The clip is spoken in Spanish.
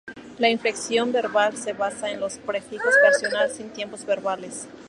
La inflexión verbal se basa en los prefijos personales, sin tiempos verbales.